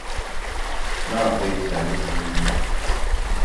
Maɣef ay fernemt Yidir?